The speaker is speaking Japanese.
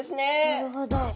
なるほど。